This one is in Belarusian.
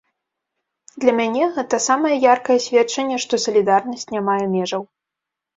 Для мяне гэта самае яркае сведчанне, што салідарнасць не мае межаў.